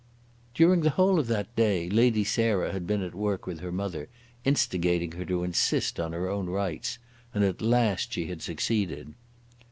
During the whole of that day Lady Sarah had been at work with her mother, instigating her to insist on her own rights, and at last she had succeeded.